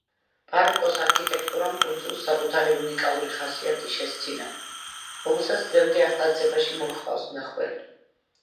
ბაროკოს არქიტექტურამ კუნძულს საკუთარი უნიკალური ხასიათი შესძინა, რომელსაც დღემდე აღტაცებაში მოჰყავს მნახველი.